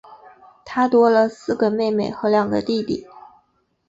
她多了四个妹妹和两个弟弟